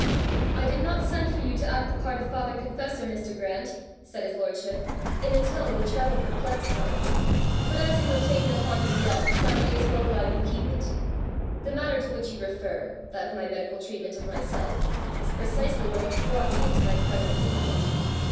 "I did not send for you to act the part of father confessor, Mr. Grant," said his lordship, in a tone which rather perplexed Donal; "but as you have taken upon you the office, I may as well allow you keep it; the matter to which you refer, that of my medical treatment of myself, is precisely what has brought me into my present difficulty.